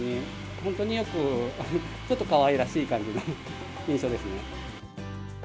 本当によく、ちょっとかわいらしい感じの印象ですね。